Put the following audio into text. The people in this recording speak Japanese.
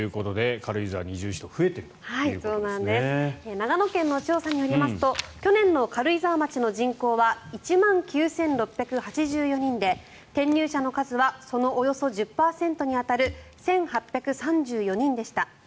長野県の調査によりますと去年の軽井沢町の人口は１万９６８４人で転入者の数はそのおよそ１０％に当たる１８３４人でした。